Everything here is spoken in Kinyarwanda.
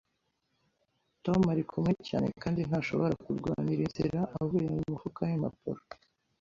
Tom arikumwe cyane kandi ntashobora kurwanira inzira avuye mumufuka wimpapuro.